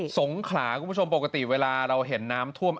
สงขลาคุณผู้ชมปกติเวลาเราเห็นน้ำท่วม